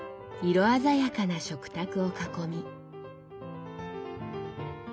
色鮮やかな食卓を囲み。